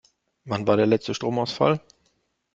Wann war der letzte Stromausfall?